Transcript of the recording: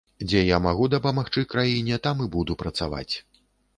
Дзе я магу дапамагчы краіне, там і буду працаваць.